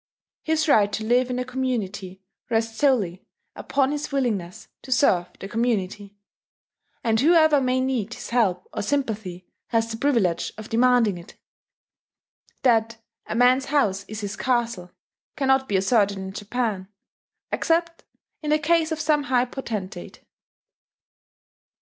His right to live in the community rests solely upon his willingness to serve the community; and whoever may need his help or sympathy has the privilege of demanding it. That "a man's house is his castle" cannot be asserted in Japan except in the case of some high potentate.